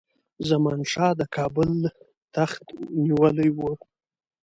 زمان شاه د کابل تخت نیولی وو.